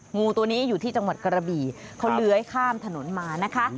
งูตัวนี้อยู่ที่จังหวัดกระบี่เขาเลื้อยข้ามถนนมานะคะ